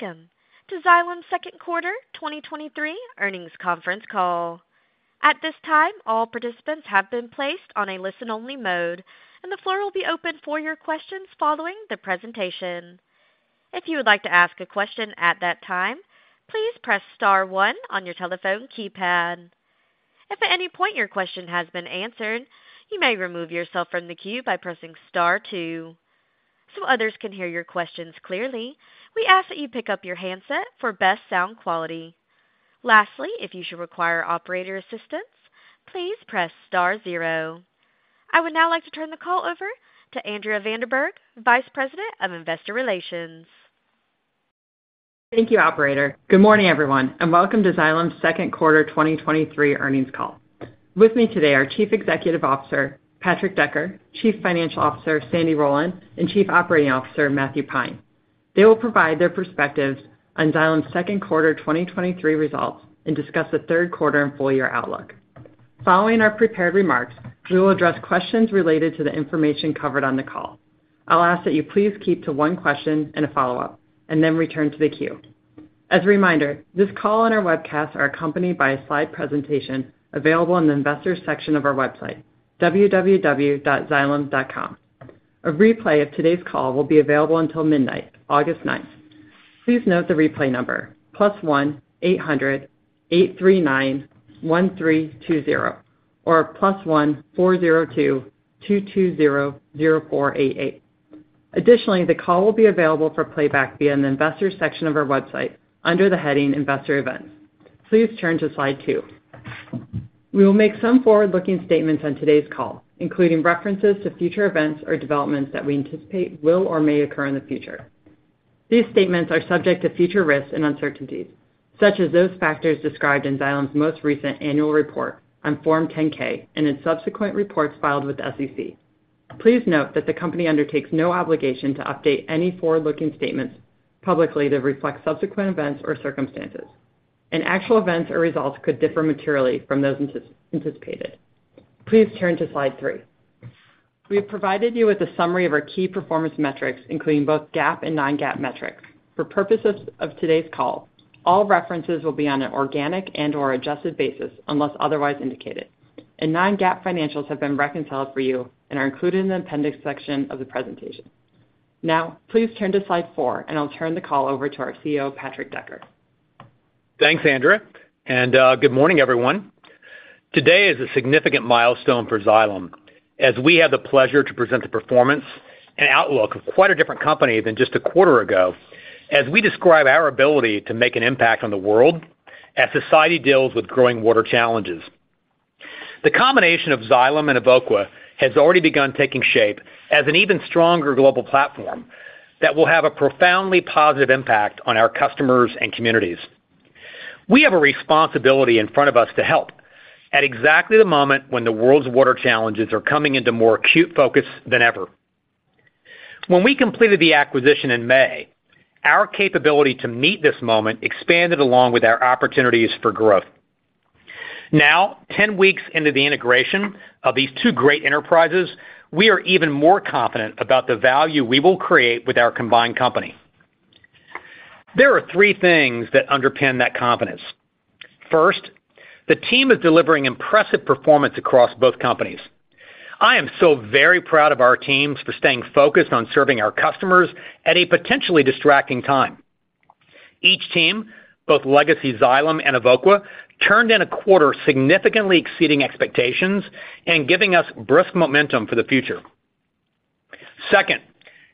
Welcome to Xylem's 2nd quarter 2023 earnings conference call. At this time, all participants have been placed on a listen-only mode, and the floor will be open for your questions following the presentation. If you would like to ask a question at that time, please press star one on your telephone keypad. If at any point your question has been answered, you may remove yourself from the queue by pressing star two. Others can hear your questions clearly, we ask that you pick up your handset for best sound quality. Lastly, if you should require operator assistance, please press star zero. I would now like to turn the call over to Andrea van der Berg, Vice President of Investor Relations. Thank you, operator. Good morning, everyone, and welcome to Xylem's second quarter 2023 earnings call. With me today are Chief Executive Officer, Patrick Decker, Chief Financial Officer, Sandy Rowland, and Chief Operating Officer, Matthew Pine. They will provide their perspectives on Xylem's second quarter 2023 results and discuss the third quarter and full year outlook. Following our prepared remarks, we will address questions related to the information covered on the call. I'll ask that you please keep to one question and a follow-up, and then return to the queue. As a reminder, this call and our webcast are accompanied by a slide presentation available in the Investors section of our website, www.xylem.com. A replay of today's call will be available until midnight, August 9th. Please note the replay number, plus 1-800-839-1320, or plus 1-402-220-0488. Additionally, the call will be available for playback via the Investors section of our website under the heading Investor Events. Please turn to slide two. We will make some forward-looking statements on today's call, including references to future events or developments that we anticipate will or may occur in the future. These statements are subject to future risks and uncertainties, such as those factors described in Xylem's most recent annual report on Form 10-K and in subsequent reports filed with the SEC. Please note that the company undertakes no obligation to update any forward-looking statements publicly to reflect subsequent events or circumstances, and actual events or results could differ materially from those anticipated. Please turn to slide three. We have provided you with a summary of our key performance metrics, including both GAAP and non-GAAP metrics. For purposes of today's call, all references will be on an organic and/or adjusted basis unless otherwise indicated, and non-GAAP financials have been reconciled for you and are included in the appendix section of the presentation. Now, please turn to slide four, and I'll turn the call over to our CEO, Patrick Decker. Thanks, Andrea, and good morning, everyone. Today is a significant milestone for Xylem as we have the pleasure to present the performance and outlook of quite a different company than just a quarter ago, as we describe our ability to make an impact on the world as society deals with growing water challenges. The combination of Xylem and Evoqua has already begun taking shape as an even stronger global platform that will have a profoundly positive impact on our customers and communities. We have a responsibility in front of us to help at exactly the moment when the world's water challenges are coming into more acute focus than ever. When we completed the acquisition in May, our capability to meet this moment expanded along with our opportunities for growth. Now, 10 weeks into the integration of these two great enterprises, we are even more confident about the value we will create with our combined company. There are three things that underpin that confidence. First, the team is delivering impressive performance across both companies. I am so very proud of our teams for staying focused on serving our customers at a potentially distracting time. Each team, both legacy Xylem and Evoqua, turned in a quarter significantly exceeding expectations and giving us brisk momentum for the future. Second,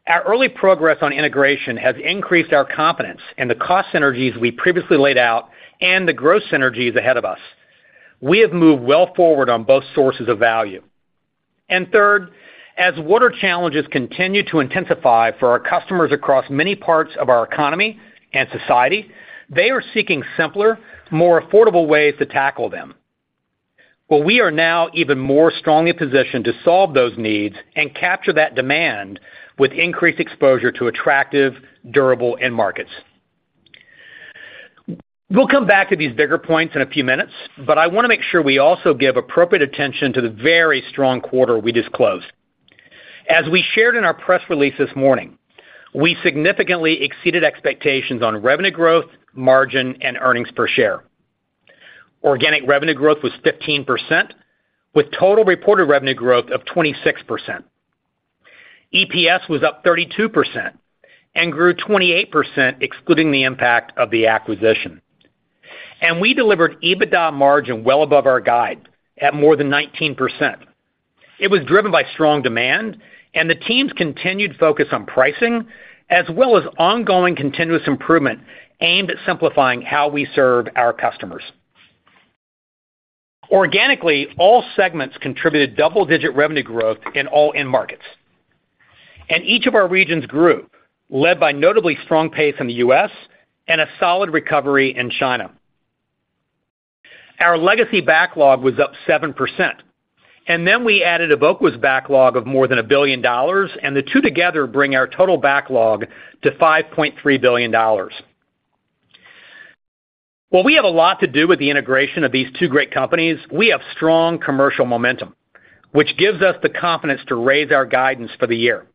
our early progress on integration has increased our confidence in the cost synergies we previously laid out and the growth synergies ahead of us. We have moved well forward on both sources of value. Third, as water challenges continue to intensify for our customers across many parts of our economy and society, they are seeking simpler, more affordable ways to tackle them. Well, we are now even more strongly positioned to solve those needs and capture that demand with increased exposure to attractive, durable end markets. We'll come back to these bigger points in a few minutes. I want to make sure we also give appropriate attention to the very strong quarter we just closed. As we shared in our press release this morning, we significantly exceeded expectations on revenue growth, margin, and earnings per share. Organic revenue growth was 15%, with total reported revenue growth of 26%. EPS was up 32% and grew 28%, excluding the impact of the acquisition. We delivered EBITDA margin well above our guide at more than 19%. It was driven by strong demand and the team's continued focus on pricing, as well as ongoing continuous improvement aimed at simplifying how we serve our customers. Organically, all segments contributed double-digit revenue growth in all end markets, and each of our regions grew, led by notably strong pace in the U.S. and a solid recovery in China. Our legacy backlog was up 7%, and then we added Evoqua's backlog of more than $1 billion, and the two together bring our total backlog to $5.3 billion. Well, we have a lot to do with the integration of these two great companies. We have strong commercial momentum, which gives us the confidence to raise our guidance for the year.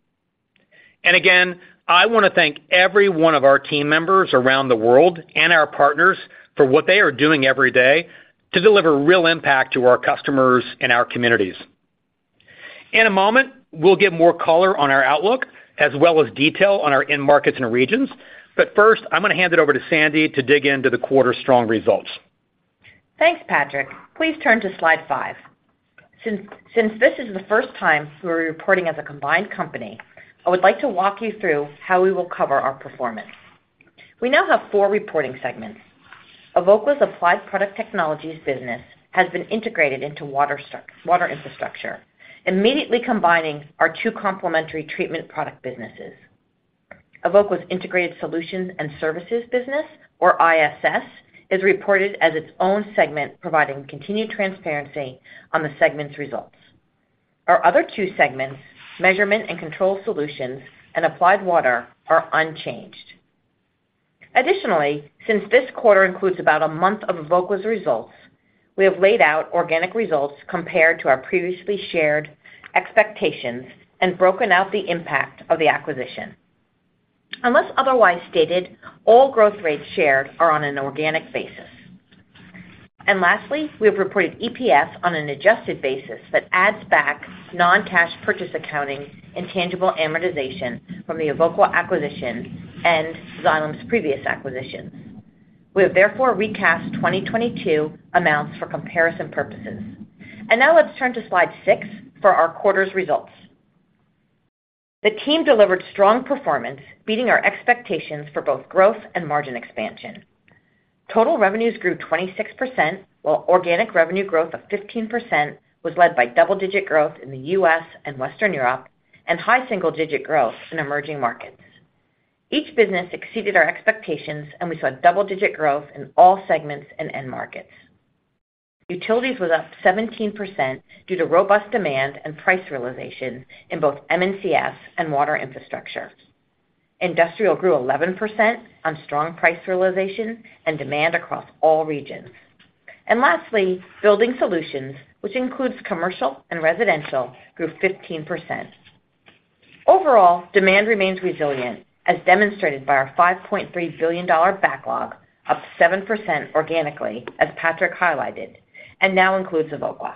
Again, I want to thank every one of our team members around the world and our partners for what they are doing every day to deliver real impact to our customers and our communities. In a moment, we'll give more color on our outlook, as well as detail on our end markets and regions. First, I'm going to hand it over to Sandy to dig into the quarter's strong results. Thanks, Patrick. Please turn to slide slide. Since this is the first time we are reporting as a combined company, I would like to walk you through how we will cover our performance. We now have four reporting segments. Evoqua's Applied Product Technologies business has been integrated into Water Infrastructure, immediately combining our two complementary treatment product businesses. Evoqua's Integrated Solutions & Services business, or ISS, is reported as its own segment, providing continued transparency on the segment's results. Our other two segments, Measurement & Control Solutions and Applied Water, are unchanged. Additionally, since this quarter includes about a month of Evoqua's results, we have laid out organic results compared to our previously shared expectations and broken out the impact of the acquisition. Unless otherwise stated, all growth rates shared are on an organic basis. Lastly, we have reported EPS on an adjusted basis that adds back non-cash purchase accounting and tangible amortization from the Evoqua acquisition and Xylem's previous acquisitions. We have therefore recast 2022 amounts for comparison purposes. Now let's turn to slide six for our quarter's results. The team delivered strong performance, beating our expectations for both growth and margin expansion. Total revenues grew 26%, while organic revenue growth of 15% was led by double-digit growth in the U.S. and Western Europe and high single-digit growth in emerging markets. Each business exceeded our expectations, and we saw double-digit growth in all segments and end markets. Utilities was up 17% due to robust demand and price realization in both MNCS and Water Infrastructure. Industrial grew 11% on strong price realization and demand across all regions. Lastly, building solutions, which includes commercial and residential, grew 15%. Overall, demand remains resilient, as demonstrated by our $5.3 billion backlog, up 7% organically, as Patrick highlighted, and now includes Evoqua.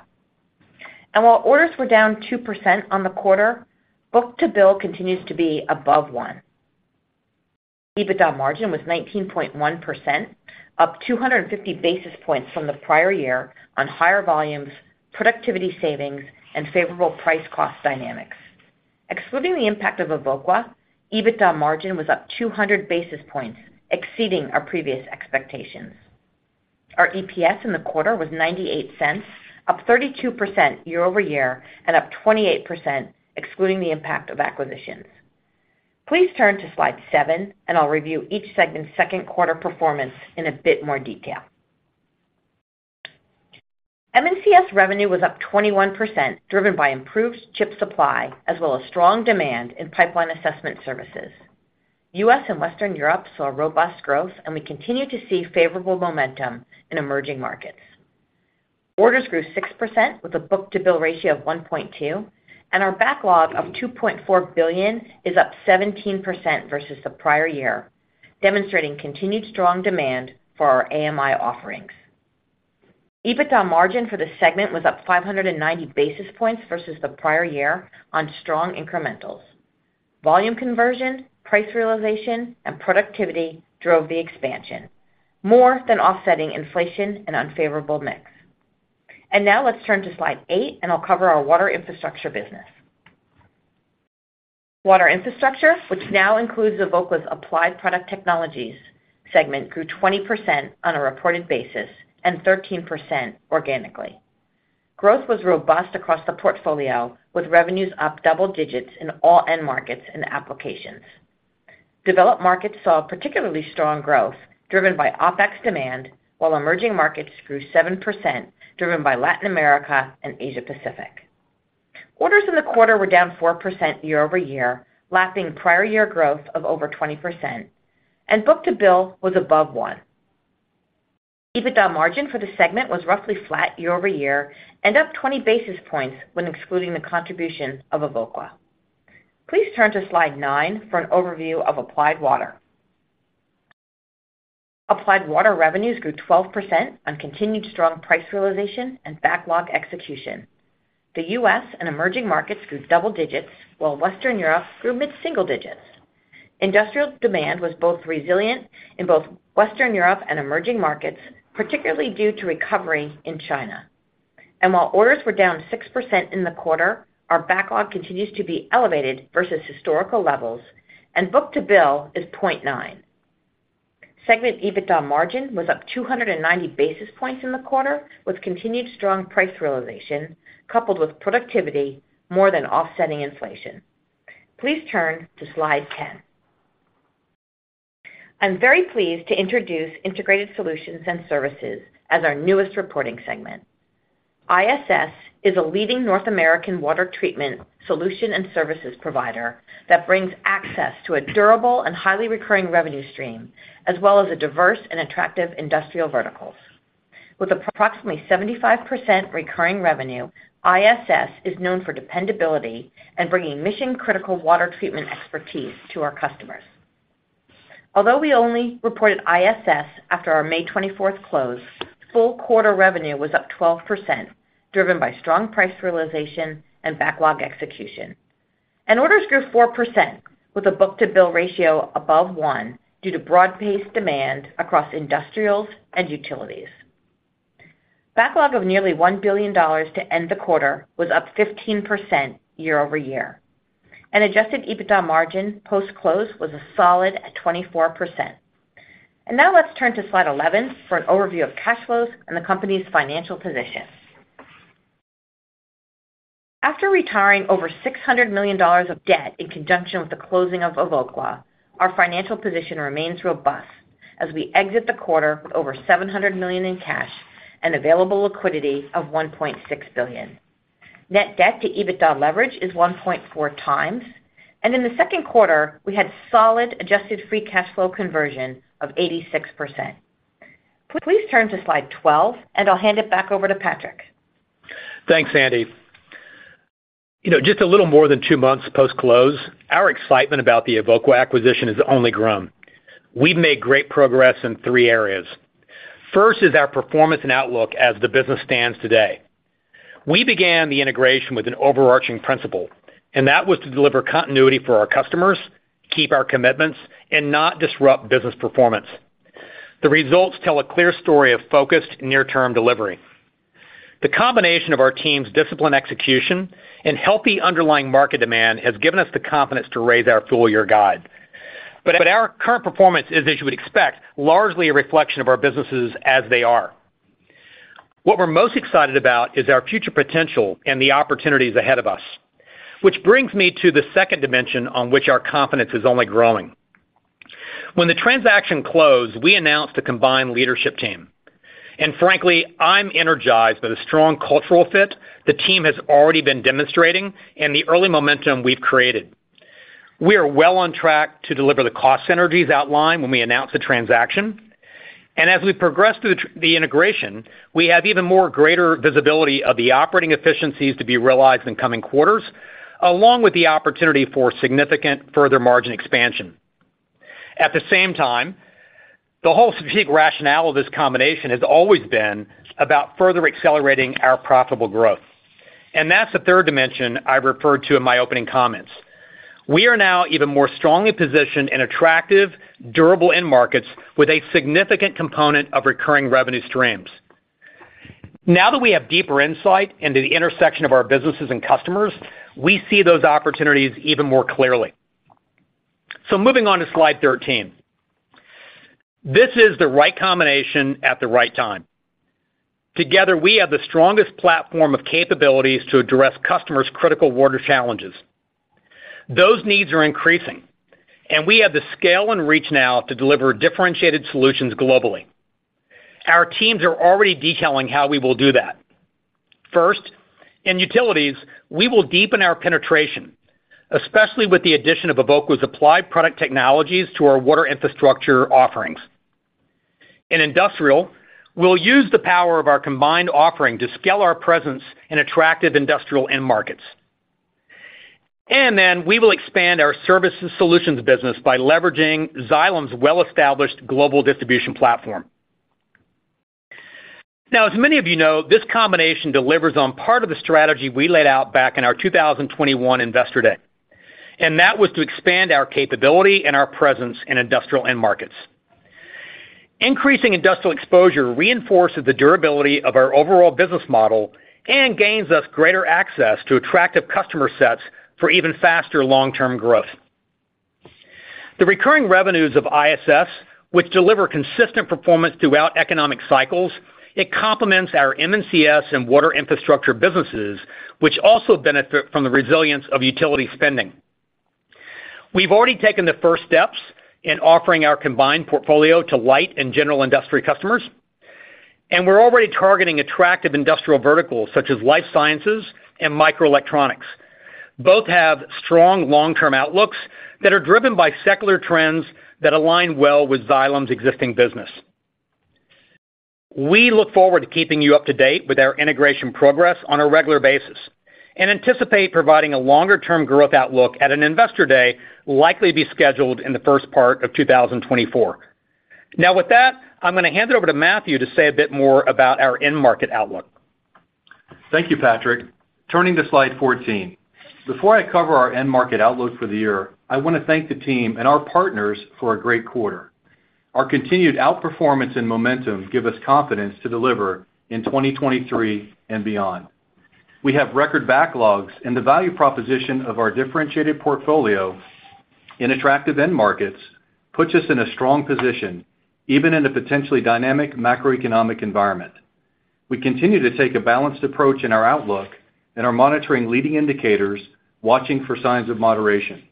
While orders were down 2% on the quarter, book-to-bill continues to be above one. EBITDA margin was 19.1%, up 250 basis points from the prior year on higher volumes, productivity savings, and favorable price-cost dynamics. Excluding the impact of Evoqua, EBITDA margin was up 200 basis points, exceeding our previous expectations. Our EPS in the quarter was $0.98, up 32% year-over-year and up 28%, excluding the impact of acquisitions. Please turn to slide seven, and I'll review each segment's second quarter performance in a bit more detail. MNCS revenue was up 21%, driven by improved chip supply, as well as strong demand in pipeline assessment services. U.S. and Western Europe saw robust growth, and we continue to see favorable momentum in emerging markets. Orders grew 6% with a book-to-bill ratio of 1.2, and our backlog of $2.4 billion is up 17% versus the prior year, demonstrating continued strong demand for our AMI offerings. EBITDA margin for the segment was up 590 basis points versus the prior year on strong incrementals. Volume conversion, price realization, and productivity drove the expansion, more than offsetting inflation and unfavorable mix. Now let's turn to slide eight, and I'll cover our Water Infrastructure business. Water Infrastructure, which now includes Evoqua's Applied Product Technologies segment, grew 20% on a reported basis and 13% organically. Growth was robust across the portfolio, with revenues up double digits in all end markets and applications. Developed markets saw particularly strong growth, driven by OpEx demand, while emerging markets grew 7%, driven by Latin America and Asia Pacific. Orders in the quarter were down 4% year-over-year, lapping prior year growth of over 20%, and book-to-bill was above one. EBITDA margin for the segment was roughly flat year-over-year and up 20 basis points when excluding the contribution of Evoqua. Please turn to slide nine for an overview of Applied Water. Applied Water revenues grew 12% on continued strong price realization and backlog execution. The U.S. and emerging markets grew double digits, while Western Europe grew mid-single digits. Industrial demand was both resilient in both Western Europe and emerging markets, particularly due to recovery in China. While orders were down 6% in the quarter, our backlog continues to be elevated versus historical levels, and book-to-bill is 0.9. Segment EBITDA margin was up 290 basis points in the quarter, with continued strong price realization, coupled with productivity more than offsetting inflation. Please turn to slide 10. I'm very pleased to introduce Integrated Solutions & Services as our newest reporting segment. ISS is a leading North American water treatment solution and services provider that brings access to a durable and highly recurring revenue stream, as well as a diverse and attractive industrial verticals. With approximately 75% recurring revenue, ISS is known for dependability and bringing mission-critical water treatment expertise to our customers. Although we only reported ISS after our May 24th close, full quarter revenue was up 12%, driven by strong price realization and backlog execution. Orders grew 4%, with a book-to-bill ratio above one, due to broad-based demand across industrials and utilities. Backlog of nearly $1 billion to end the quarter was up 15% year-over-year, and adjusted EBITDA margin post-close was a solid at 24%. Now let's turn to slide 11 for an overview of cash flows and the company's financial position. After retiring over $600 million of debt in conjunction with the closing of Evoqua, our financial position remains robust as we exit the quarter with over $700 million in cash and available liquidity of $1.6 billion. Net debt to EBITDA leverage is 1.4x, and in the second quarter, we had solid adjusted free cash flow conversion of 86%. Please turn to slide 12, and I'll hand it back over to Patrick. Thanks, Sandy. You know, just a little more than two months post-close, our excitement about the Evoqua acquisition has only grown. We've made great progress in three areas. First is our performance and outlook as the business stands today. We began the integration with an overarching principle, and that was to deliver continuity for our customers, keep our commitments, and not disrupt business performance. The results tell a clear story of focused near-term delivery. The combination of our team's disciplined execution and healthy underlying market demand has given us the confidence to raise our full-year guide. Our current performance is, as you would expect, largely a reflection of our businesses as they are. What we're most excited about is our future potential and the opportunities ahead of us, which brings me to the second dimension on which our confidence is only growing. Frankly, I'm energized by the strong cultural fit the team has already been demonstrating and the early momentum we've created. We are well on track to deliver the cost synergies outlined when we announced the transaction, and as we progress through the integration, we have even more greater visibility of the operating efficiencies to be realized in coming quarters, along with the opportunity for significant further margin expansion. At the same time, the whole strategic rationale of this combination has always been about further accelerating our profitable growth, That's the third dimension I referred to in my opening comments. We are now even more strongly positioned in attractive, durable end markets with a significant component of recurring revenue streams. Now that we have deeper insight into the intersection of our businesses and customers, we see those opportunities even more clearly. Moving on to slide 13. This is the right combination at the right time. Together, we have the strongest platform of capabilities to address customers' critical water challenges. Those needs are increasing, and we have the scale and reach now to deliver differentiated solutions globally. Our teams are already detailing how we will do that. First, in utilities, we will deepen our penetration, especially with the addition of Evoqua's Applied Product Technologies to our Water Infrastructure offerings. In industrial, we'll use the power of our combined offering to scale our presence in attractive industrial end markets. Then we will expand our services solutions business by leveraging Xylem's well-established global distribution platform. As many of you know, this combination delivers on part of the strategy we laid out back in our 2021 Investor Day, and that was to expand our capability and our presence in industrial end markets. Increasing industrial exposure reinforces the durability of our overall business model and gains us greater access to attractive customer sets for even faster long-term growth. The recurring revenues of ISS, which deliver consistent performance throughout economic cycles, it complements our MNCS and Water Infrastructure businesses, which also benefit from the resilience of utility spending. We've already taken the first steps in offering our combined portfolio to light and general industry customers, and we're already targeting attractive industrial verticals such as life sciences and microelectronics. Both have strong long-term outlooks that are driven by secular trends that align well with Xylem's existing business. We look forward to keeping you up to date with our integration progress on a regular basis and anticipate providing a longer-term growth outlook at an Investor Day, likely to be scheduled in the first part of 2024. With that, I'm going to hand it over to Matthew to say a bit more about our end market outlook. Thank you, Patrick. Turning to slide 14. Before I cover our end market outlook for the year, I want to thank the team and our partners for a great quarter. Our continued outperformance and momentum give us confidence to deliver in 2023 and beyond. We have record backlogs, and the value proposition of our differentiated portfolio in attractive end markets puts us in a strong position, even in a potentially dynamic macroeconomic environment. We continue to take a balanced approach in our outlook and are monitoring leading indicators, watching for signs of moderation.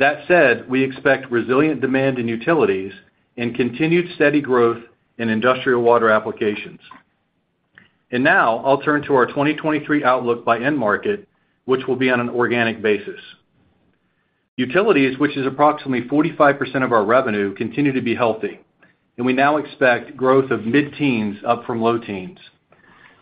That said, we expect resilient demand in utilities and continued steady growth in industrial water applications. Now I'll turn to our 2023 outlook by end market, which will be on an organic basis. Utilities, which is approximately 45% of our revenue, continue to be healthy, and we now expect growth of mid-teens, up from low teens.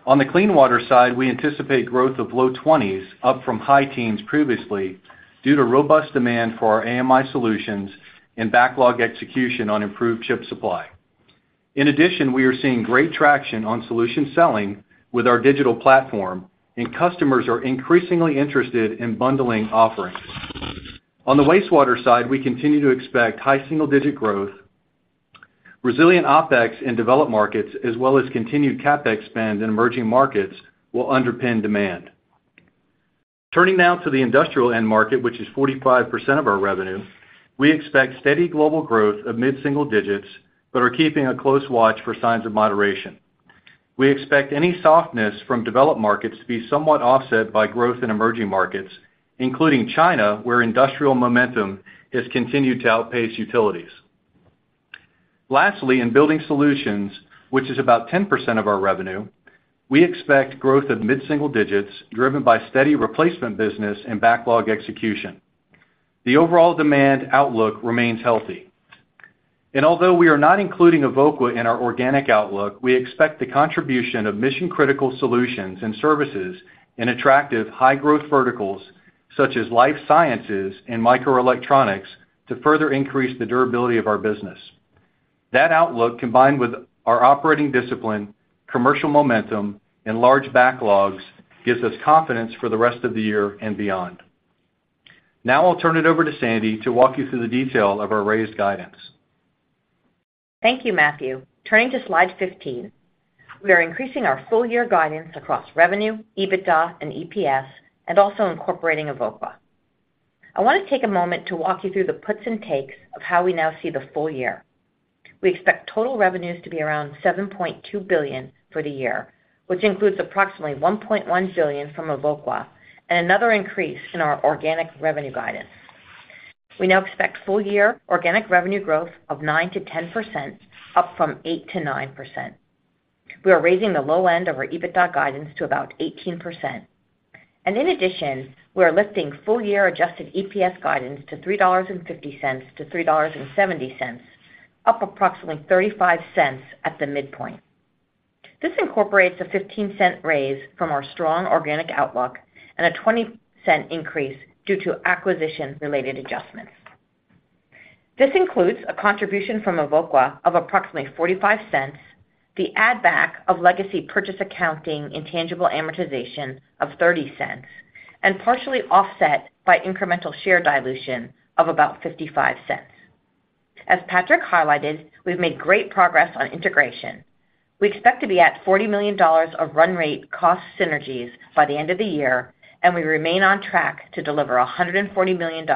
On the clean water side, we anticipate growth of low 20s, up from high teens previously, due to robust demand for our AMI solutions and backlog execution on improved chip supply. In addition, we are seeing great traction on solution selling with our digital platform, and customers are increasingly interested in bundling offerings. On the wastewater side, we continue to expect high single-digit growth. Resilient OpEx in developed markets, as well as continued CapEx spend in emerging markets, will underpin demand. Turning now to the industrial end market, which is 45% of our revenue, we expect steady global growth of mid-single digits but are keeping a close watch for signs of moderation. We expect any softness from developed markets to be somewhat offset by growth in emerging markets, including China, where industrial momentum has continued to outpace utilities. Lastly, in building solutions, which is about 10% of our revenue, we expect growth of mid-single digits, driven by steady replacement business and backlog execution. The overall demand outlook remains healthy. Although we are not including Evoqua in our organic outlook, we expect the contribution of mission-critical solutions and services in attractive, high-growth verticals, such as life sciences and microelectronics, to further increase the durability of our business. That outlook, combined with our operating discipline, commercial momentum, and large backlogs, gives us confidence for the rest of the year and beyond. Now I'll turn it over to Sandy to walk you through the detail of our raised guidance. Thank you, Matthew. Turning to slide 15, we are increasing our full year guidance across revenue, EBITDA, and EPS, also incorporating Evoqua. I want to take a moment to walk you through the puts and takes of how we now see the full year. We expect total revenues to be around $7.2 billion for the year, which includes approximately $1.1 billion from Evoqua and another increase in our organic revenue guidance. We now expect full-year organic revenue growth of 9%-10%, up from 8%-9%. We are raising the low end of our EBITDA guidance to about 18%. In addition, we are lifting full-year adjusted EPS guidance to $3.50-$3.70, up approximately $0.35 at the midpoint. This incorporates a $0.15 raise from our strong organic outlook and a $0.20 increase due to acquisition-related adjustments. This includes a contribution from Evoqua of approximately $0.45, the add-back of legacy purchase accounting intangible amortization of $0.30, and partially offset by incremental share dilution of about $0.55. As Patrick highlighted, we've made great progress on integration. We expect to be at $40 million of run rate cost synergies by the end of the year, and we remain on track to deliver $140 million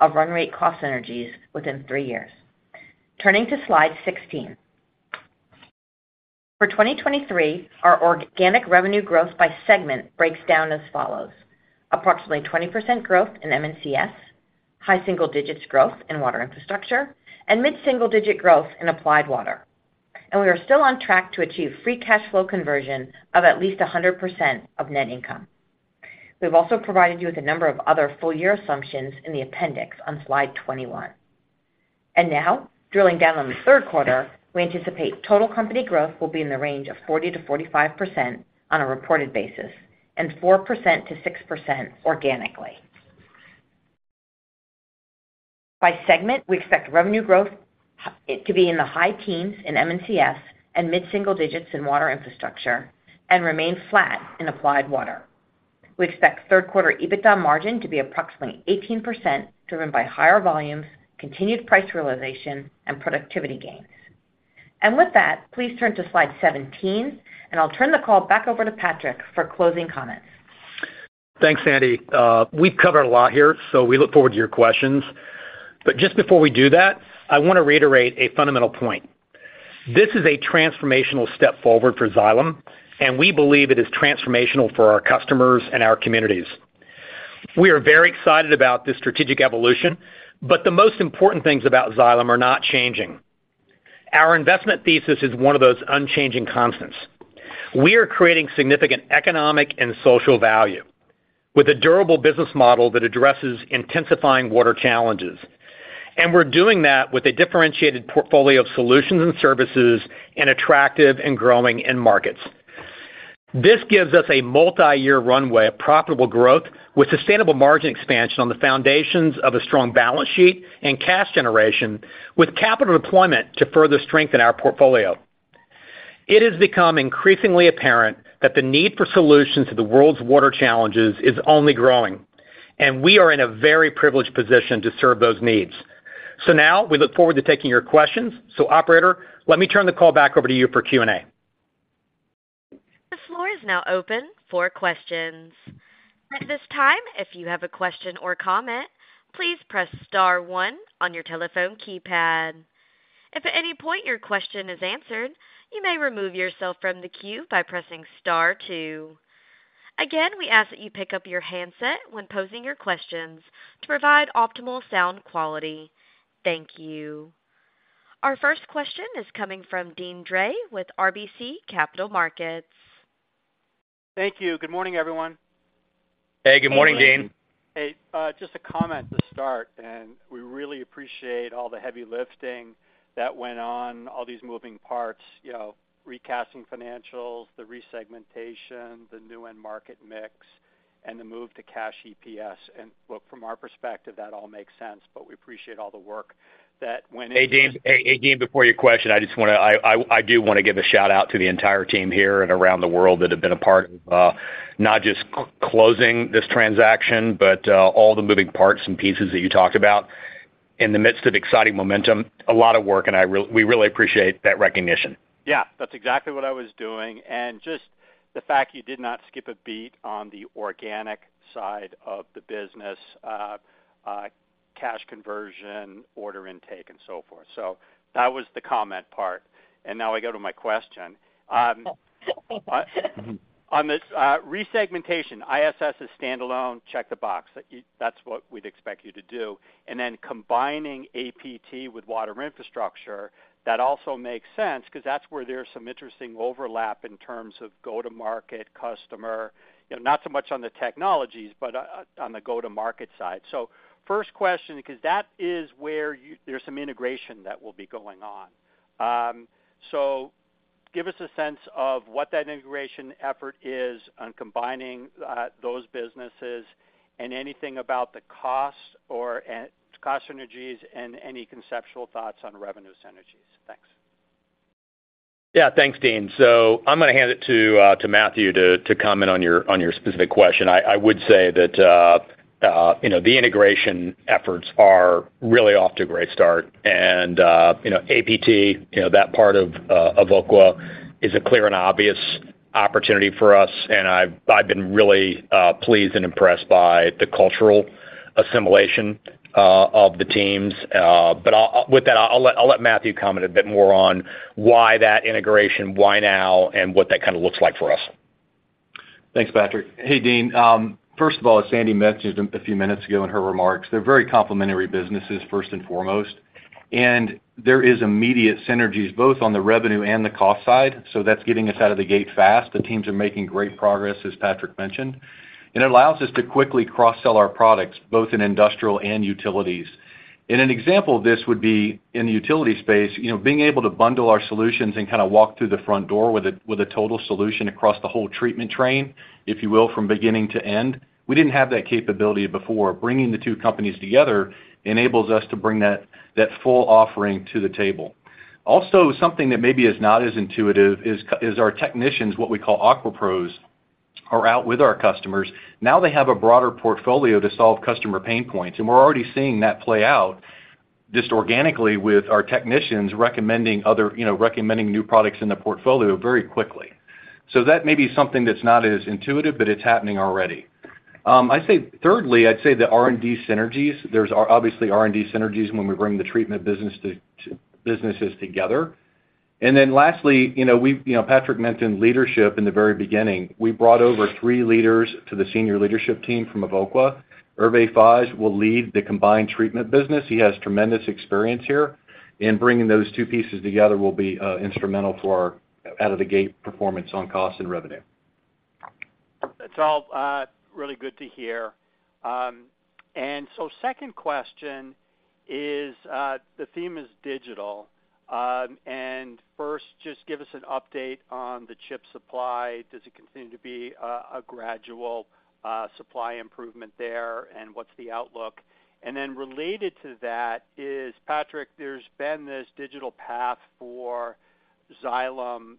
of run rate cost synergies within three years. Turning to slide 16. For 2023, our organic revenue growth by segment breaks down as follows: approximately 20% growth in MNCS, high single digits growth in Water Infrastructure, and mid-single digit growth in Applied Water. We are still on track to achieve free cash flow conversion of at least 100% of net income. We've also provided you with a number of other full year assumptions in the appendix on slide 21. Now, drilling down on the third quarter, we anticipate total company growth will be in the range of 40%-45% on a reported basis and 4%-6% organically. By segment, we expect revenue growth to be in the high teens in MNCS and mid-single digits in Water Infrastructure and remain flat in Applied Water. We expect third quarter EBITDA margin to be approximately 18%, driven by higher volumes, continued price realization, and productivity gains. With that, please turn to slide 17, and I'll turn the call back over to Patrick for closing comments. Thanks, Sandy. We've covered a lot here, so we look forward to your questions. Just before we do that, I want to reiterate a fundamental point. This is a transformational step forward for Xylem, and we believe it is transformational for our customers and our communities. We are very excited about this strategic evolution, but the most important things about Xylem are not changing. Our investment thesis is one of those unchanging constants. We are creating significant economic and social value with a durable business model that addresses intensifying water challenges. We're doing that with a differentiated portfolio of solutions and services in attractive and growing end markets. This gives us a multiyear runway of profitable growth with sustainable margin expansion on the foundations of a strong balance sheet and cash generation, with capital deployment to further strengthen our portfolio. It has become increasingly apparent that the need for solutions to the world's water challenges is only growing, and we are in a very privileged position to serve those needs. Now we look forward to taking your questions. Operator, let me turn the call back over to you for Q&A. The floor is now open for questions. At this time, if you have a question or comment, please press star one on your telephone keypad. If at any point your question is answered, you may remove yourself from the queue by pressing star two. Again, we ask that you pick up your handset when posing your questions to provide optimal sound quality. Thank you. Our first question is coming from Deane Dray with RBC Capital Markets. Thank you. Good morning, everyone. Hey, good morning, Deane. Hey, just a comment to start. We really appreciate all the heavy lifting that went on, all these moving parts, you know, recasting financials, the resegmentation, the new end market mix, and the move to cash EPS. Look, from our perspective, that all makes sense, but we appreciate all the work that went into- Hey, Deane. Hey, hey, Deane, before your question, I do want to give a shout-out to the entire team here and around the world that have been a part of, not just closing this transaction, but, all the moving parts and pieces that you talked about. In the midst of exciting momentum, a lot of work, and we really appreciate that recognition. Yeah, that's exactly what I was doing. just the fact you did not skip a beat on the organic side of the business, cash conversion, order intake, and so forth. that was the comment part. now I go to my question. on this resegmentation, ISS is standalone, check the box. That's what we'd expect you to do. then combining APT with Water Infrastructure, that also makes sense because that's where there's some interesting overlap in terms of go-to-market, customer, you know, not so much on the technologies, but on, on the go-to-market side. first question, because that is where there's some integration that will be going on. Give us a sense of what that integration effort is on combining those businesses and anything about the costs or, and cost synergies and any conceptual thoughts on revenue synergies. Thanks. Thanks, Deane. I'm gonna hand it to Matthew Pine to comment on your specific question. I, I would say that, you know, the integration efforts are really off to a great start. You know, APT, you know, that part of Evoqua is a clear and obvious opportunity for us, and I've, I've been really pleased and impressed by the cultural assimilation of the teams. With that, I'll let Matthew Pine comment a bit more on why that integration, why now, and what that kind of looks like for us. Thanks, Patrick. Hey, Deane. First of all, as Sandy mentioned a few minutes ago in her remarks, they're very complementary businesses, first and foremost. There is immediate synergies, both on the revenue and the cost side, so that's getting us out of the gate fast. The teams are making great progress, as Patrick mentioned. It allows us to quickly cross-sell our products, both in industrial and utilities. An example of this would be in the utility space, you know, being able to bundle our solutions and kind of walk through the front door with a, with a total solution across the whole treatment train, if you will, from beginning to end. We didn't have that capability before. Bringing the two companies together enables us to bring that, that full offering to the table. Something that maybe is not as intuitive is our technicians, what we call AquaPros, are out with our customers. Now they have a broader portfolio to solve customer pain points, and we're already seeing that play out just organically with our technicians recommending other, you know, recommending new products in the portfolio very quickly. That may be something that's not as intuitive, but it's happening already. I'd say thirdly, I'd say the R&D synergies. There's obviously R&D synergies when we bring the treatment business to, businesses together. Then lastly, you know, Patrick mentioned leadership in the very beginning. We brought over three leaders to the senior leadership team from Evoqua. Hervé Fages will lead the combined treatment business. He has tremendous experience here, and bringing those two pieces together will be instrumental for our out-of-the-gate performance on cost and revenue. It's all really good to hear. Second question is, the theme is digital. First, just give us an update on the chip supply. Does it continue to be a gradual supply improvement there, and what's the outlook? Then related to that is, Patrick, there's been this digital path for Xylem,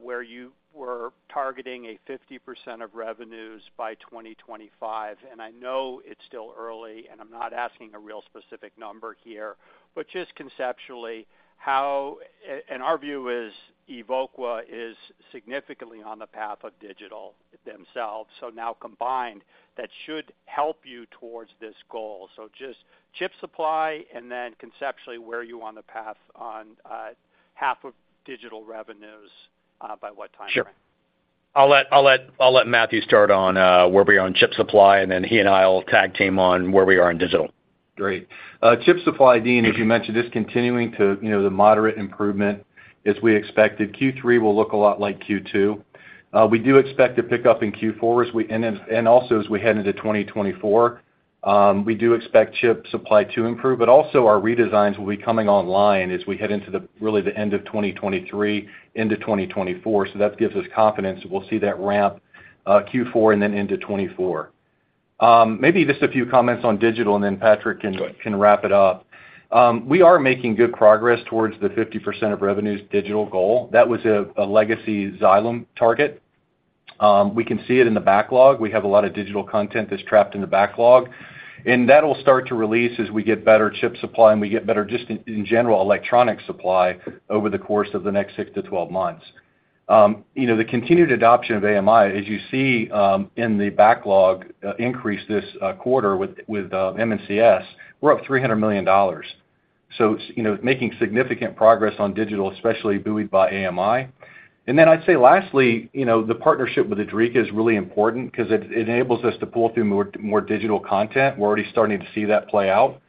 where you were targeting a 50% of revenues by 2025, and I know it's still early, and I'm not asking a real specific number here, but just conceptually, how... Our view is, Evoqua is significantly on the path of digital themselves, so now combined, that should help you towards this goal. Just chip supply and then conceptually, where are you on the path on half of digital revenues by what time? Sure. I'll let, I'll let, I'll let Matthew start on where we are on chip supply, and then he and I will tag team on where we are on digital. Great. chip supply, Deane, as you mentioned, is continuing to, you know, the moderate improvement as we expected. Q3 will look a lot like Q2. We do expect to pick up in Q4 as we and then, and also as we head into 2024. We do expect chip supply to improve, but also our redesigns will be coming online as we head into the, really, the end of 2023 into 2024. That gives us confidence that we'll see that ramp, Q4 and then into 2024. Maybe just a few comments on digital, and then Patrick can, can wrap it up. We are making good progress towards the 50% of revenues digital goal. That was a, a legacy Xylem target. We can see it in the backlog. We have a lot of digital content that's trapped in the backlog, and that'll start to release as we get better chip supply and we get better just in, in general, electronic supply over the course of the next 6-12 months.... you know, the continued adoption of AMI, as you see, in the backlog, increase this quarter with MNCS, we're up $300 million. You know, making significant progress on digital, especially buoyed by AMI. I'd say lastly, you know, the partnership with Idrica is really important because it enables us to pull through more, more digital content. We're already starting to see that play out.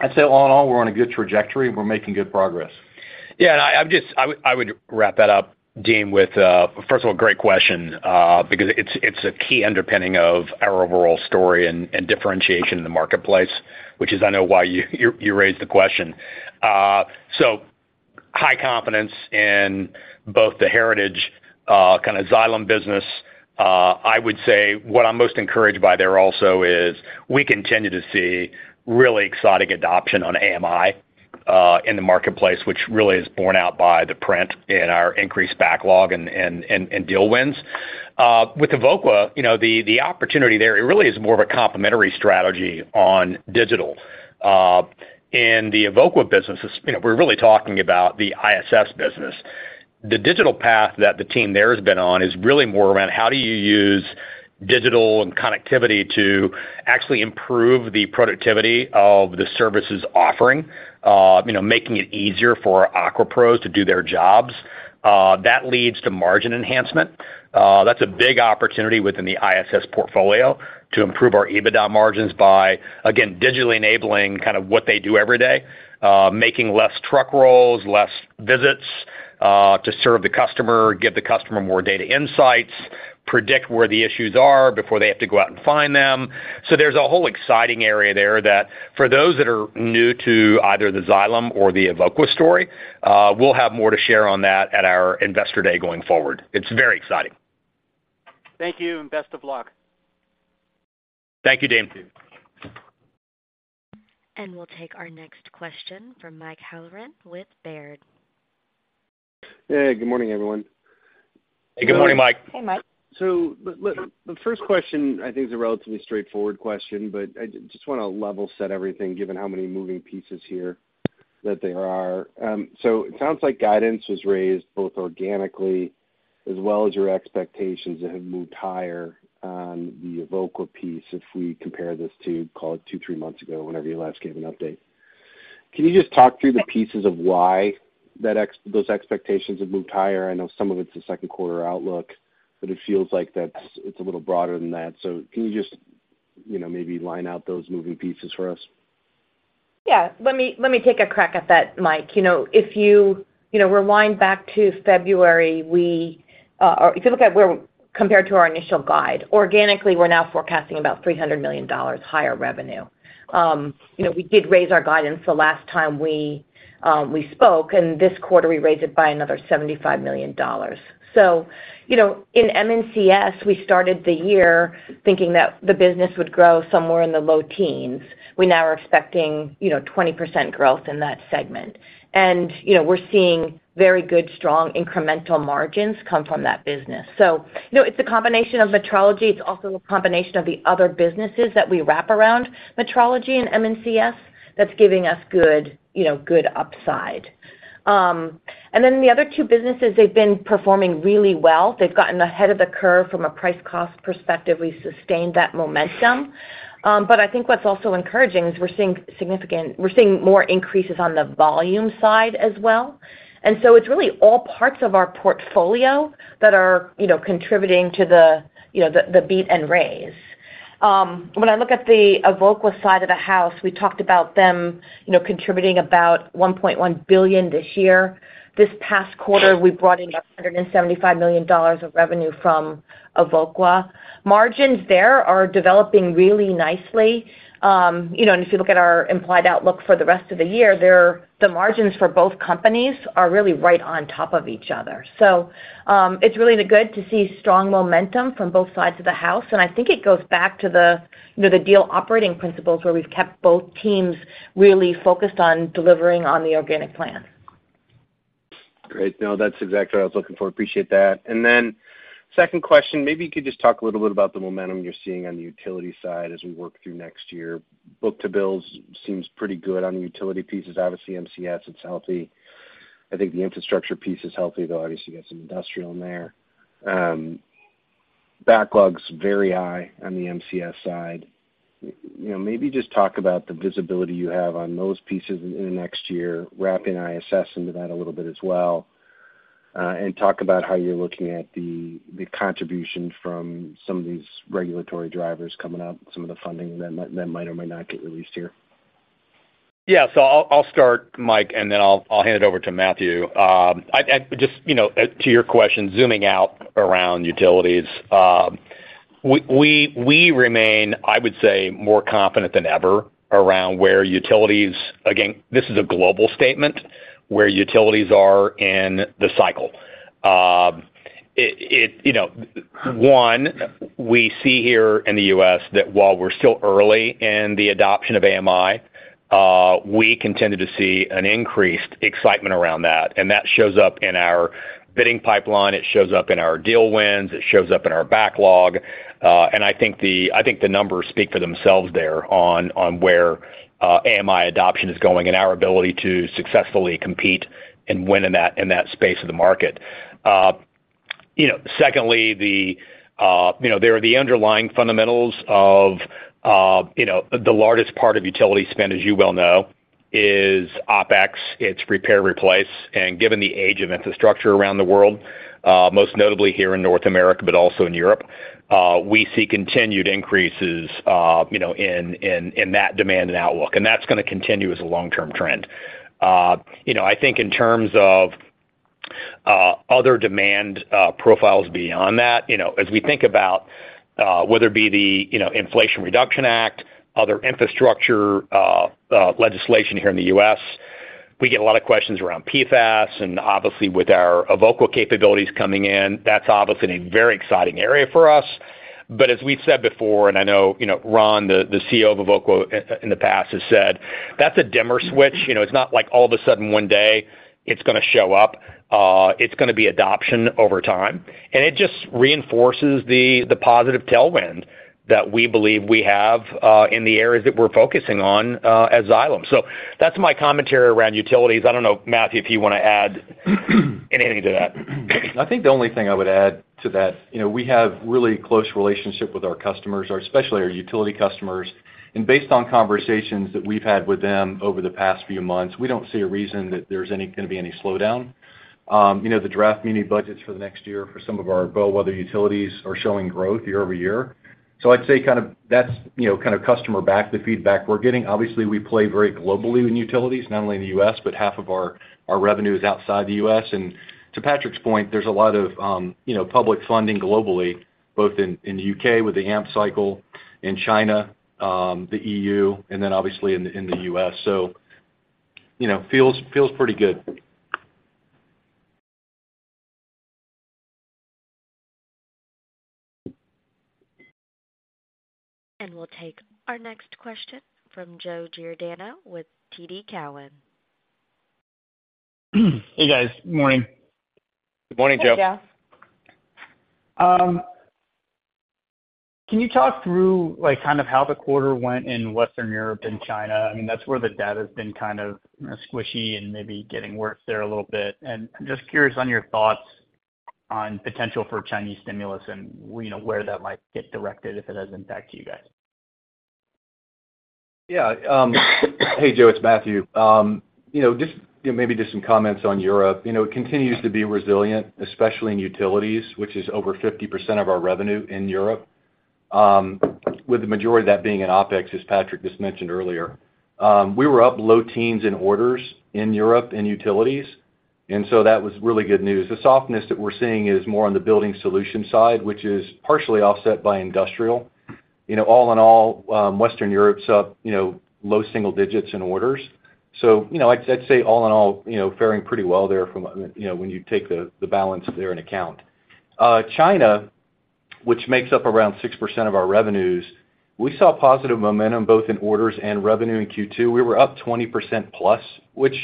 I'd say all in all, we're on a good trajectory, we're making good progress. Yeah, I would, I would wrap that up, Deane, with, first of all, great question, because it's, it's a key underpinning of our overall story and, and differentiation in the marketplace, which is I know why you, you raised the question. High confidence in both the heritage, kind of Xylem business. I would say what I'm most encouraged by there also is we continue to see really exciting adoption on AMI in the marketplace, which really is borne out by the print in our increased backlog and, and, and, and deal wins. With Evoqua, you know, the opportunity there, it really is more of a complementary strategy on digital. In the Evoqua businesses, you know, we're really talking about the ISS business. The digital path that the team there has been on is really more around how do you use digital and connectivity to actually improve the productivity of the services offering, you know, making it easier for AQUApros to do their jobs. That leads to margin enhancement. That's a big opportunity within the ISS portfolio to improve our EBITDA margins by, again, digitally enabling kind of what they do every day, making less truck rolls, less visits, to serve the customer, give the customer more data insights, predict where the issues are before they have to go out and find them. There's a whole exciting area there that for those that are new to either the Xylem or the Evoqua story, we'll have more to share on that at our Investor Day going forward. It's very exciting. Thank you, and best of luck. Thank you, Deane. We'll take our next question from Michael Halloran with Baird. Hey, good morning, everyone. Hey, good morning, Mike. Hey, Mike. The, the first question, I think, is a relatively straightforward question, but I just want to level set everything, given how many moving pieces here that there are. It sounds like guidance was raised both organically as well as your expectations have moved higher on the Evoqua piece if we compare this to, call it, two, three months ago, whenever you last gave an update. Can you just talk through the pieces of why that those expectations have moved higher? I know some of it's the second quarter outlook, but it feels like that's it's a little broader than that. Can you just, you know, maybe line out those moving pieces for us? Yeah. Let me, let me take a crack at that, Mike. You know, if you, you know, rewind back to February, we, or if you look at where compared to our initial guide, organically, we're now forecasting about $300 million higher revenue. You know, we did raise our guidance the last time we spoke, this quarter we raised it by another $75 million. You know, in MNCS, we started the year thinking that the business would grow somewhere in the low teens. We now are expecting, you know, 20% growth in that segment. You know, we're seeing very good, strong incremental margins come from that business. You know, it's a combination of metrology, it's also a combination of the other businesses that we wrap around metrology and MNCS that's giving us good, you know, good upside. Then the other two businesses, they've been performing really well. They've gotten ahead of the curve from a price cost perspective. We sustained that momentum. I think what's also encouraging is we're seeing more increases on the volume side as well. So it's really all parts of our portfolio that are contributing to the, the beat and raise. When I look at the Evoqua side of the house, we talked about them contributing about $1.1 billion this year. This past quarter, we brought in $175 million of revenue from Evoqua. Margins there are developing really nicely. If you look at our implied outlook for the rest of the year, the margins for both companies are really right on top of each other. It's really good to see strong momentum from both sides of the house, and I think it goes back to the, you know, the deal operating principles, where we've kept both teams really focused on delivering on the organic plan. Great. No, that's exactly what I was looking for. Appreciate that. Second question, maybe you could just talk a little bit about the momentum you're seeing on the utility side as we work through next year. book-to-bill seems pretty good on the utility pieces. Obviously, MCS, it's healthy. I think the infrastructure piece is healthy, though obviously you got some industrial in there. Backlogs very high on the MCS side. You know, maybe just talk about the visibility you have on those pieces in the next year, wrap in ISS into that a little bit as well, and talk about how you're looking at the, the contribution from some of these regulatory drivers coming up, some of the funding that might, that might or might not get released here. Yeah. I'll, I'll start, Mike, and then I'll, I'll hand it over to Matthew. I, I just, you know, to your question, zooming out around utilities, we, we, we remain, I would say, more confident than ever around where utilities... Again, this is a global statement, where utilities are in the cycle. It, it, you know, one, we see here in the U.S. that while we're still early in the adoption of AMI, we continue to see an increased excitement around that, and that shows up in our bidding pipeline, it shows up in our deal wins, it shows up in our backlog, and I think the, I think the numbers speak for themselves there on, on where, AMI adoption is going and our ability to successfully compete and win in that, in that space of the market. You know, secondly, the, you know, there are the underlying fundamentals of, you know, the largest part of utility spend, as you well know, is OpEx, it's repair, replace, and given the age of infrastructure around the world, most notably here in North America, but also in Europe, we see continued increases, you know, in, in, in that demand and outlook, and that's gonna continue as a long-term trend. You know, I think in terms of other demand profiles beyond that, you know, as we think about, whether it be the, you know, Inflation Reduction Act, other infrastructure legislation here in the U.S., we get a lot of questions around PFAS, and obviously, with our Evoqua capabilities coming in, that's obviously a very exciting area for us. As we've said before, and I know, you know, Ron, the CEO of Evoqua, in the past, has said, that's a dimmer switch. You know, it's not like all of a sudden, one day it's gonna show up. It's gonna be adoption over time. It just reinforces the positive tailwind that we believe we have in the areas that we're focusing on as Xylem. That's my commentary around utilities. I don't know, Matthew, if you wanna add anything to that? I think the only thing I would add to that, you know, we have really close relationship with our customers, or especially our utility customers, and based on conversations that we've had with them over the past few months, we don't see a reason that there's any gonna be any slowdown. you know, the draft mini budgets for the next year for some of our bellwether utilities are showing growth year-over-year. I'd say kind of that's, you know, kind of customer-backed, the feedback we're getting. Obviously, we play very globally in utilities, not only in the U.S., but half of our, our revenue is outside the U.S. To Patrick's point, there's a lot of, you know, public funding globally, both in, in the U.K. with the AMP cycle, in China, the EU, and then obviously in the, in the U.S. You know, feels, feels pretty good. We'll take our next question from Joseph Giordano with TD Cowen. Hey, guys. Morning. Good morning, Joe. Hey, Joe. Can you talk through, like, kind of how the quarter went in Western Europe and China? I mean, that's where the data's been kind of, you know, squishy and maybe getting worse there a little bit. I'm just curious on your thoughts on potential for Chinese stimulus and, you know, where that might get directed, if it has impact to you guys. Yeah, hey, Joe, it's Matthew. You know, just, you know, maybe just some comments on Europe. You know, it continues to be resilient, especially in utilities, which is over 50% of our revenue in Europe, with the majority of that being in OpEx, as Patrick just mentioned earlier. We were up low teens in orders in Europe, in utilities, and so that was really good news. The softness that we're seeing is more on the building solution side, which is partially offset by industrial. You know, all in all, Western Europe's up, you know, low single digits in orders. You know, I'd, I'd say, all in all, you know, faring pretty well there from, you know, when you take the, the balance there in account. China, which makes up around 6% of our revenues, we saw positive momentum both in orders and revenue in Q2. We were up 20%+ which,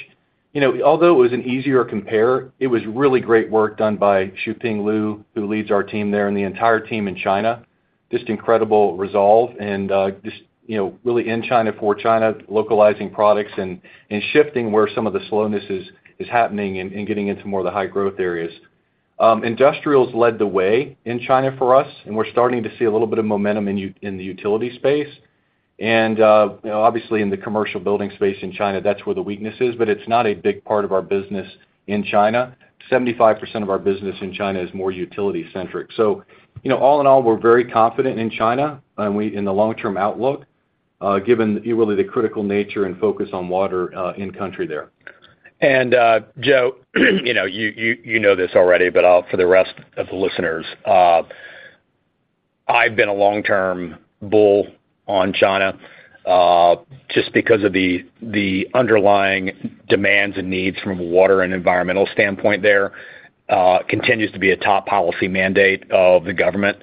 you know, although it was an easier compare, it was really great work done by Shuping Lu, who leads our team there, and the entire team in China. Just incredible resolve and, just, you know, really in China for China, localizing products and, and shifting where some of the slowness is, is happening and, and getting into more of the high-growth areas. Industrials led the way in China for us, and we're starting to see a little bit of momentum in the utility space. You know, obviously in the commercial building space in China, that's where the weakness is, but it's not a big part of our business in China. 75% of our business in China is more utility-centric. You know, all in all, we're very confident in China, and in the long-term outlook, given really the critical nature and focus on water, in country there. Joe, you know this already, but, for the rest of the listeners, I've been a long-term bull on China, just because of the underlying demands and needs from a water and environmental standpoint there, continues to be a top policy mandate of the government.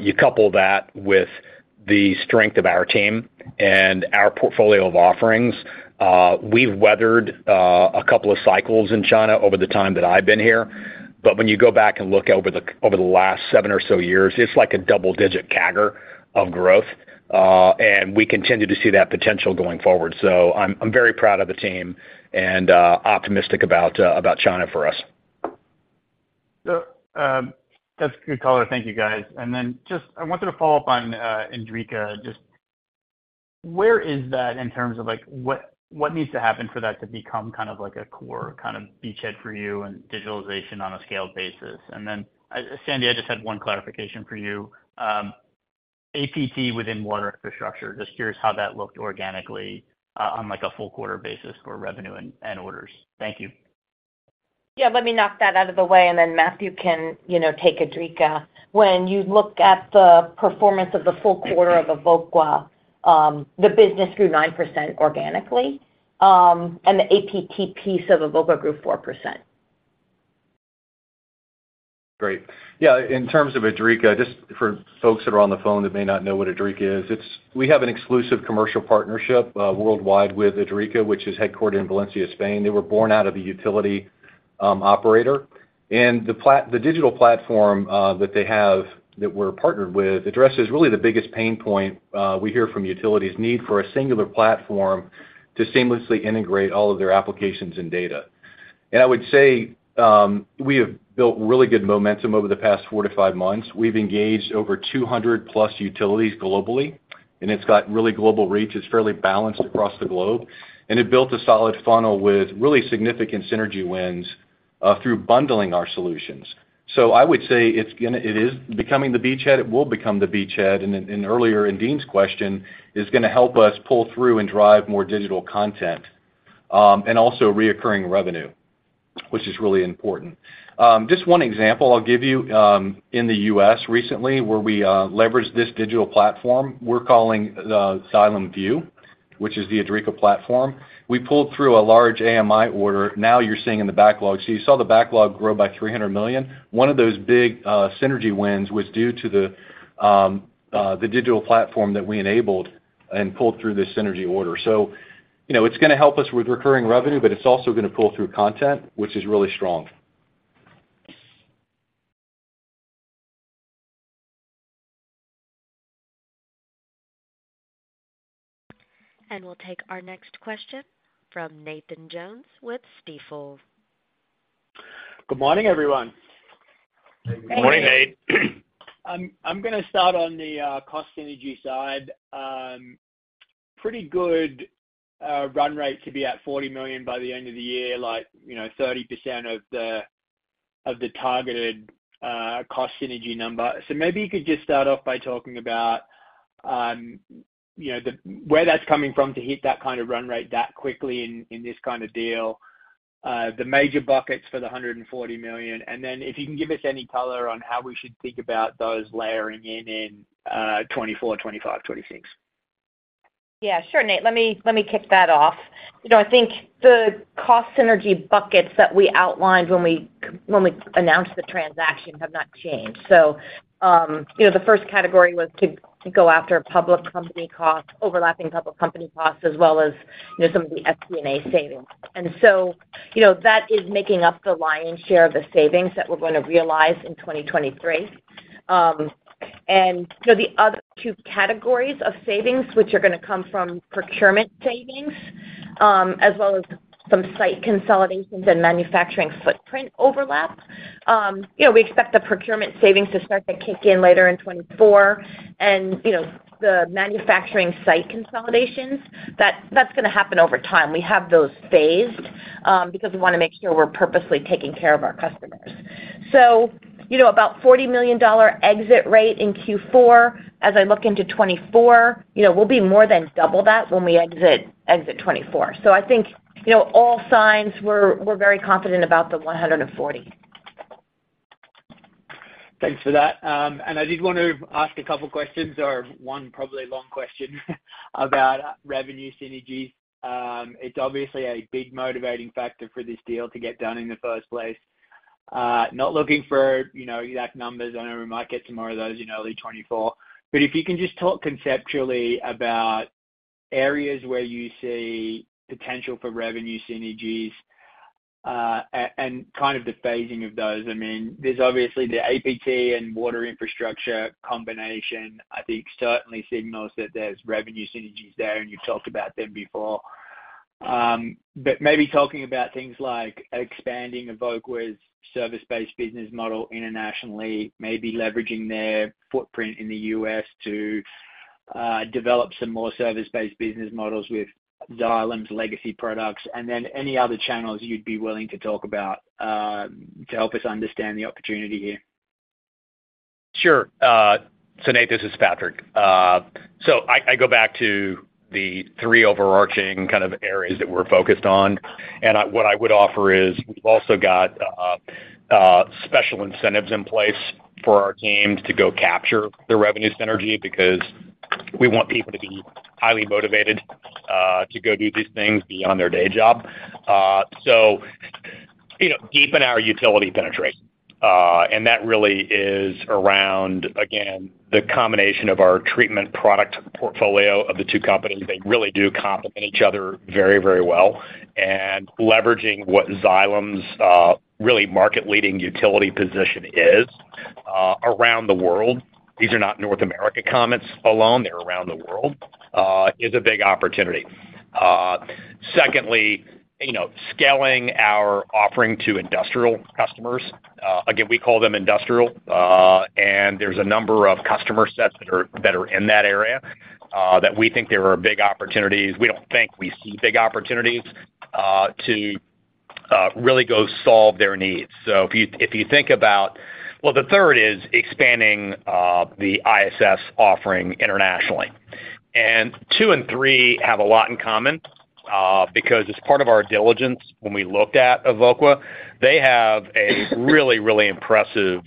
You couple that with the strength of our team and our portfolio of offerings, we've weathered, a couple of cycles in China over the time that I've been here. When you go back and look over the last seven or so years, it's like a double-digit CAGR of growth, and we continue to see that potential going forward. I'm very proud of the team and, optimistic about China for us. That's a good color. Thank you, guys. Just I wanted to follow up on Idrica. Just where is that in terms of, like, what, what needs to happen for that to become kind of like a core, kind of, beachhead for you and digitalization on a scaled basis? Sandy, I just had 1 clarification for you. APT within Water Infrastructure, just curious how that looked organically on, like, a full quarter basis for revenue and, and orders. Thank you. Yeah, let me knock that out of the way, and then Matthew can, you know, take Idrica. When you look at the performance of the full quarter of Evoqua, the business grew 9% organically, and the APT piece of Evoqua grew 4%. Great. Yeah, in terms of Idrica, just for folks that are on the phone that may not know what Idrica is, we have an exclusive commercial partnership, worldwide with Idrica, which is headquartered in Valencia, Spain. They were born out of a utility operator. The digital platform, that they have, that we're partnered with, addresses really the biggest pain point, we hear from utilities: need for a singular platform to seamlessly integrate all of their applications and data. I would say, we have built really good momentum over the past four to five months. We've engaged over 200+ utilities globally, and it's got really global reach. It's fairly balanced across the globe, and it built a solid funnel with really significant synergy wins through bundling our solutions. I would say it is becoming the beachhead, it will become the beachhead, and earlier in Deane's question, is gonna help us pull through and drive more digital content, and also reoccurring revenue, which is really important. Just one example I'll give you, in the U.S. recently, where we leveraged this digital platform, we're calling the Xylem Vue, which is the Idrica platform. We pulled through a large AMI order, now you're seeing in the backlog. You saw the backlog grow by $300 million. One of those big synergy wins was due to the digital platform that we enabled and pulled through this synergy order. You know, it's gonna help us with recurring revenue, but it's also gonna pull through content, which is really strong. We'll take our next question from Nathan Jones with Stifel. Good morning, everyone. Good morning, Nate. I'm gonna start on the cost synergy side. Pretty good run rate to be at $40 million by the end of the year, like, you know, 30% of the, of the targeted cost synergy number. Maybe you could just start off by talking about, you know, where that's coming from to hit that kind of run rate that quickly in, in this kind of deal, the major buckets for the $140 million, and then if you can give us any color on how we should think about those layering in, in 2024, 2025, 2026. Yeah, sure, Nate. Let me, let me kick that off. You know, I think the cost synergy buckets that we outlined when we, when we announced the transaction have not changed. You know, the first category was to, to go after a public company cost, overlapping public company costs, as well as, you know, some of the FC&A savings. So, you know, that is making up the lion's share of the savings that we're gonna realize in 2023. So the other two categories of savings, which are gonna come from procurement savings, as well as some site consolidations and manufacturing footprint overlap, you know, we expect the procurement savings to start to kick in later in 2024. You know, the manufacturing site consolidations, that's gonna happen over time. We have those phased, because we wanna make sure we're purposely taking care of our customers. You know, about $40 million exit rate in Q4. As I look into 2024, you know, we'll be more than double that when we exit, exit 2024. I think, you know, all signs, we're, we're very confident about the 140. Thanks for that. I did want to ask a couple questions or one probably long question, about revenue synergy. It's obviously a big motivating factor for this deal to get done in the first place. Not looking for, you know, exact numbers. I know we might get some more of those in early 2024. If you can just talk conceptually about areas where you see potential for revenue synergies, and kind of the phasing of those. I mean, there's obviously the APT and Water Infrastructure combination, I think certainly signals that there's revenue synergies there, and you've talked about them before. maybe talking about things like expanding Evoqua's service-based business model internationally, maybe leveraging their footprint in the U.S. to develop some more service-based business models with Xylem's legacy products, and then any other channels you'd be willing to talk about to help us understand the opportunity here. Sure. Nate, this is Patrick. I, I go back to the three overarching kind of areas that we're focused on, and what I would offer is we've also got special incentives in place for our team to go capture the revenue synergy because we want people to be highly motivated to go do these things beyond their day job. You know, deepen our utility penetration, and that really is around, again, the combination of our treatment product portfolio of the two companies. They really do complement each other very, very well. Leveraging what Xylem's really market-leading utility position is around the world. These are not North America comments alone, they're around the world, is a big opportunity. Secondly, you know, scaling our offering to industrial customers, again, we call them industrial, and there's a number of customer sets that are, that are in that area, that we think there are big opportunities. We don't think we see big opportunities, to really go solve their needs. If you, if you think about... Well, the third is expanding the ISS offering internationally. Two and three have a lot in common because as part of our diligence, when we looked at Evoqua, they have a really, really impressive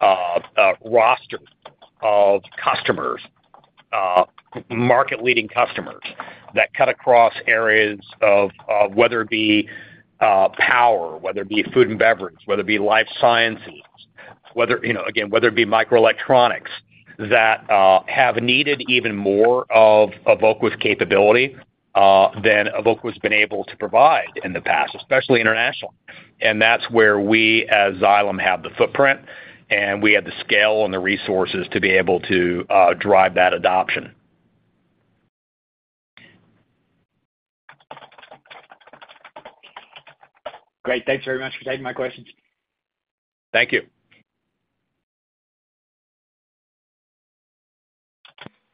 roster of customers, market-leading customers that cut across areas of whether it be power, whether it be food and beverage, whether it be life sciences, whether, you know, again, whether it be microelectronics, that have needed even more of Evoqua's capability than Evoqua's been able to provide in the past, especially internationally. That's where we, as Xylem, have the footprint, and we have the scale and the resources to be able to drive that adoption. Great. Thanks very much for taking my questions. Thank you.